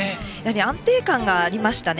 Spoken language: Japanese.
安定感がありましたね